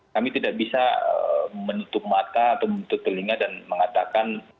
kami tidak bisa menutup mata atau menutup telinga dan mengatakan